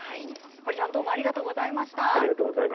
堀さんありがとうございました。